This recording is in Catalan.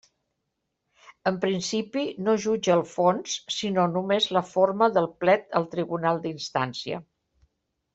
En principi no jutja el fons, sinó només la forma del plet al tribunal d'instància.